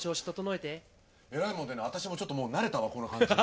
えらいもんでね私もちょっともう慣れたわこの感じ。